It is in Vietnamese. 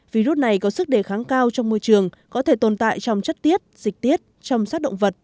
virus này có sức đề kháng cao trong môi trường có thể tồn tại trong chất tiết dịch tiết trong sát động vật